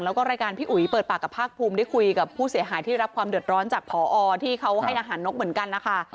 แล้วก็รายการพี่อุ๋ยเปิดปากกับภาคภูมิได้คุยกับผู้เสียหายที่รับความเดือดร้อนจากพอที่เขาให้อาหารนกเหมือนกันนะคะ